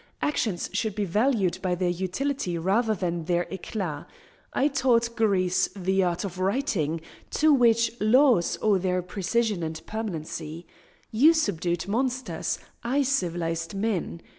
Actions should be valued by their utility rather than their eclat. I taught Greece the art of writing, to which laws owe their precision and permanency. You subdued monsters; I civilised men.